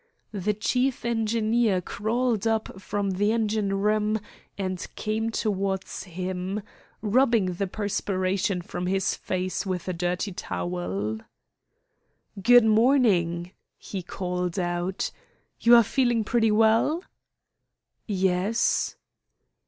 The chief engineer crawled up from the engine room and came towards him, rubbing the perspiration from his face with a dirty towel. "Good morning," he called out. "You are feeling pretty well?" "Yes."